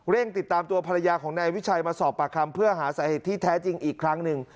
ติดตามตัวภรรยาของนายวิชัยมาสอบปากคำเพื่อหาสาเหตุที่แท้จริงอีกครั้งหนึ่ง